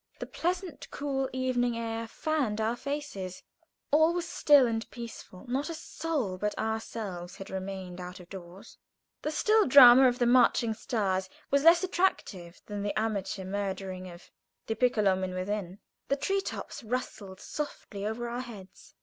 The pleasant, cool evening air fanned our faces; all was still and peaceful. Not a soul but ourselves had remained out of doors. The still drama of the marching stars was less attractive than the amateur murdering of "Die Piccolomin" within. The tree tops rustled softly over our heads.